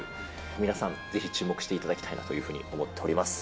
皆さん、ぜひ注目していただきたいなというふうに思っております。